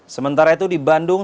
sementara itu di bandung